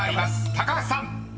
高橋さん］